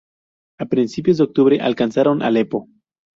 A principios de octubre, alcanzaron Alepo.